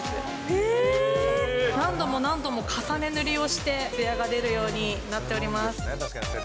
何度も何度も重ね塗りをして、つやが出るようになっております。